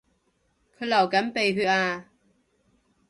佢流緊鼻血呀